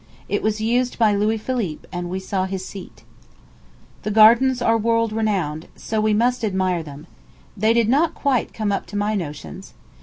It was Used by Louis Philippe, and we saw his seat. The gardens are world renowned; so we must admire them. They did not quite come up to my notions.